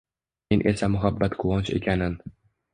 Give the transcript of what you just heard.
Men esa muhabbat quvonch ekanin